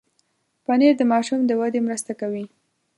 پنېر د ماشوم د ودې مرسته کوي.